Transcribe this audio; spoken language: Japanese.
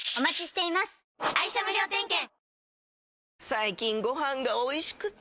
最近ご飯がおいしくて！